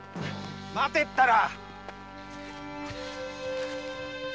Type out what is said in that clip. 待てったら。